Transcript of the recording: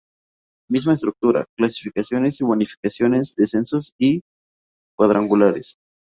Misma estructura, clasificaciones, bonificaciones, descensos y cuadrangulares.